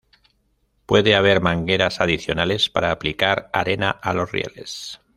Puede haber mangueras adicionales para aplicar arena a los rieles.